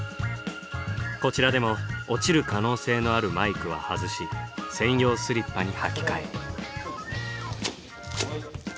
こちらでも落ちる可能性のあるマイクは外し専用スリッパに履き替え。